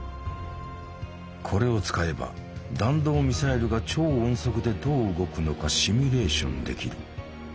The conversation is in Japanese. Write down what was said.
これを使えば弾道ミサイルが超音速でどう動くのかシミュレーションできる。